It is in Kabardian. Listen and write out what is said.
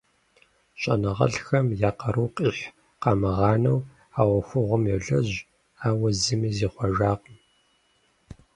ЩӀэныгъэлӀхэм я къару къихь къамыгъанэу а Ӏуэхугъуэм йолэжь, ауэ зыми зихъуэжакъым.